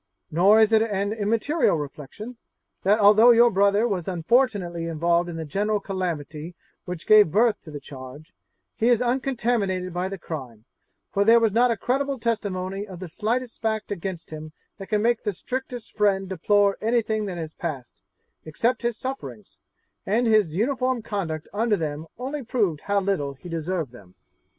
Nor is it an immaterial reflection, that although your brother was unfortunately involved in the general calamity which gave birth to the charge, he is uncontaminated by the crime, for there was not a credible testimony of the slightest fact against him that can make the strictest friend deplore anything that has passed, except his sufferings; and his uniform conduct under them only proved how little he deserved them.'